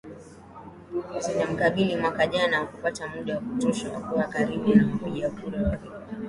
zinamkabili mwaka jana hakupata muda wa kutosha wa kuwa karibu na wapigakura wake wa